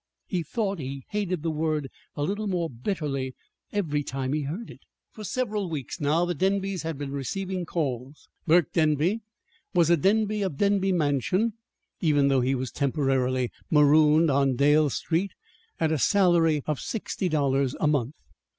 He thought he hated the word a little more bitterly every time he heard it. For several weeks now the Denbys had been receiving calls Burke Denby was a Denby of Denby Mansion even though he was temporarily marooned on Dale Street at a salary of sixty dollars a month.